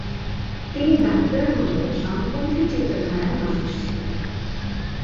তিনি ডাক্তার হলেও বামপন্থী চিন্তা ধারার মানুষ ছিলেন।